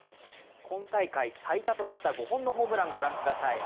今大会最多となった５本のホームラン、ご覧ください。